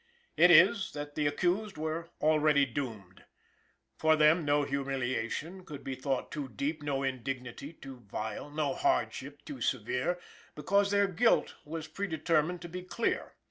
It is, that the accused were already doomed. For them no humiliation could be thought too deep, no indignity too vile, no hardship too severe, because their guilt was predetermined to be clear.